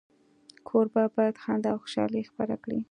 کوربه باید خندا او خوشالي خپره کړي.